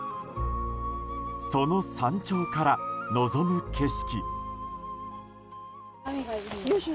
その山頂から望む景色。